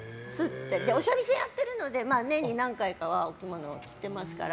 お三味線やってるので年に何回かは、お着物着てますから。